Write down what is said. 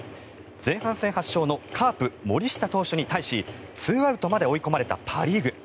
前半戦８勝のカープ、森下選手に対し２アウトまで追い込まれたパ・リーグ。